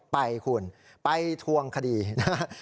ไปคุณไปทวงคดีนะครับ